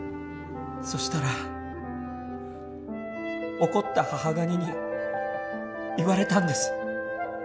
そしたら怒った母ガニに言われたんです。